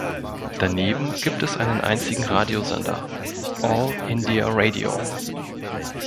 Daneben gibt es einen einzigen Radiosender, All India Radio.